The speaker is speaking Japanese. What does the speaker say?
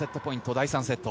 第３セット。